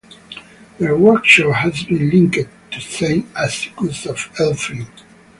The workshop has been linked to Saint Assicus of Elphin.